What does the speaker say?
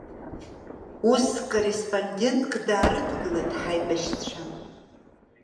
Ус корреспондентк даарыдгылеит ҳаибашьцәа.